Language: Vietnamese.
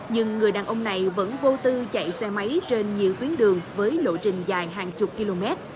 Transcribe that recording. nhưng người đàn ông này vẫn vô tư chạy xe máy trên nhiều tuyến đường với lộ trình dài hàng chục km